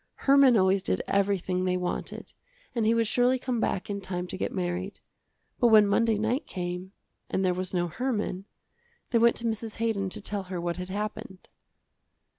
Herman always did everything they wanted and he would surely come back in time to get married. But when Monday night came, and there was no Herman, they went to Mrs. Haydon to tell her what had happened.